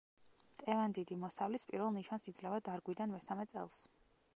მტევანდიდი მოსავლის პირველ ნიშანს იძლევა დარგვიდან მესამე წელს.